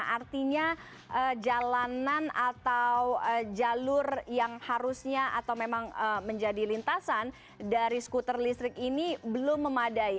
artinya jalanan atau jalur yang harusnya atau memang menjadi lintasan dari skuter listrik ini belum memadai